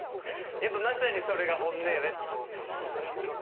やっぱまさにそれが本音よね。